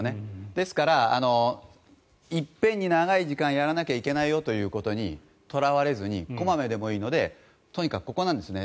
ですから、一遍に長い時間やらなきゃいけないよということにとらわれずに小まめでもいいのでとにかく、ここなんですね。